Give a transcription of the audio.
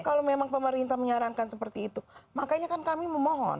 kalau memang pemerintah menyarankan seperti itu makanya kan kami memohon